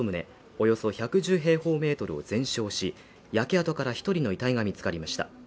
およそ１１０平方メートルを全焼し、焼け跡から１人の遺体が見つかりました。